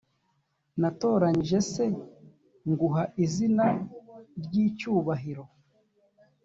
natoranyije s nguha izina ry icyubahiro